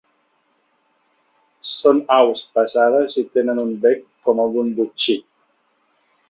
Són aus pesades i tenen un bec com el d'un botxí.